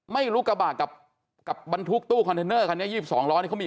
ไม่รู้กระบะกับบรรทุกตู้คอนเทนเนอร์คันนี้๒๒ล้อนี่เขามี